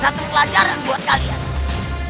satu pelajaran buat kalian